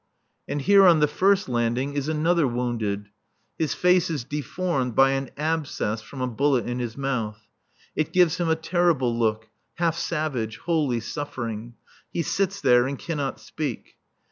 And here on the first landing is another wounded. His face is deformed by an abscess from a bullet in his mouth. It gives him a terrible look, half savage, wholly suffering. He sits there and cannot speak.